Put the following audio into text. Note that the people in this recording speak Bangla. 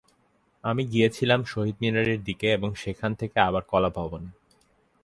আমি গিয়েছিলাম শহীদ মিনারের দিকে এবং সেখান থেকে আবার কলা ভবনে।